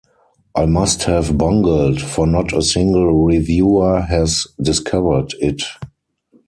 I must have bungled, for not a single reviewer has discovered it.